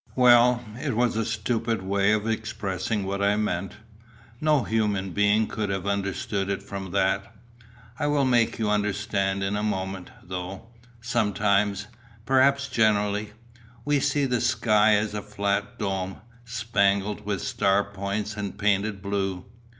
"Well, it was a stupid way of expressing what I meant. No human being could have understood it from that. I will make you understand in a moment, though. Sometimes perhaps generally we see the sky as a flat dome, spangled with star points, and painted blue.